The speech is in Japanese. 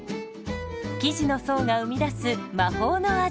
生地の層が生み出す魔法の味。